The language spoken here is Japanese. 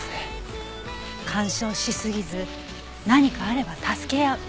干渉しすぎず何かあれば助け合う。